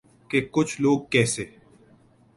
کہ ’کچھ لوگ کیسے